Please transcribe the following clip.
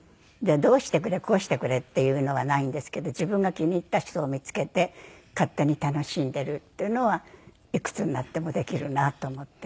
どうしてくれこうしてくれっていうのはないんですけど自分が気に入った人を見付けて勝手に楽しんでるっていうのはいくつになってもできるなと思って。